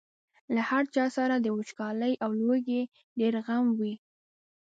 له هر چا سره د وچکالۍ او لوږې ډېر غم و.